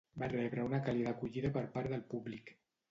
Va rebre una càlida acollida per part del públic.